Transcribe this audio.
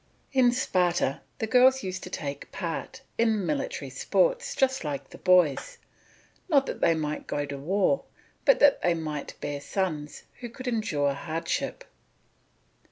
In Sparta the girls used to take part in military sports just like the boys, not that they might go to war, but that they might bear sons who could endure hardship.